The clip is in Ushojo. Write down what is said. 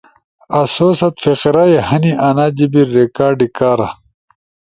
آسو ست فقرہ ئے ہنی انا جیِبی ریکارڈی کارا